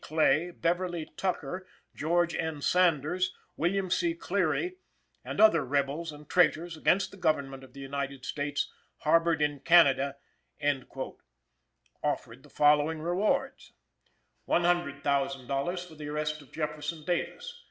Clay, Beverly Tucker, George N. Sanders, William C. Cleary, and other rebels and traitors against the Government of the United States, harbored in Canada," offered the following rewards: "$100,000 for the arrest of Jefferson Davis.